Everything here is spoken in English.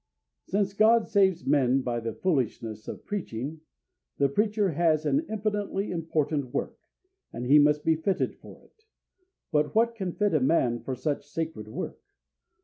Since God saves men by "the foolishness of preaching," the preacher has an infinitely important work, and he must be fitted for it. But what can fit a man for such sacred work?